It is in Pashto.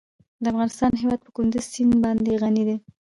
د افغانستان هیواد په کندز سیند باندې غني دی.